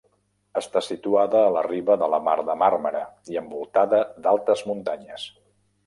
Està situada a la riba de la Mar de Màrmara i envoltada d'altes muntanyes.